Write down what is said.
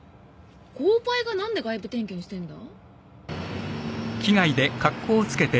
コーパイが何で外部点検してんだ？